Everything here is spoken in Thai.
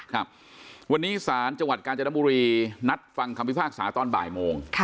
ครับวันนี้ศาลจังหวัดกาญจนบุรีนัดฟังคำพิพากษาตอนบ่ายโมง